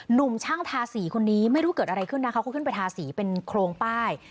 หนุ่มช่างทาสีคนนี้ไม่รู้เกิดอะไรขึ้นนะเขาก็ขึ้นไปทาสีเป็นโครงป้าย